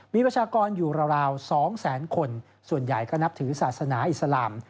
มีประชากรอยู่ราว๒แสนคนส่วนใหญ่ก็นับถือศาสนาอิสลาม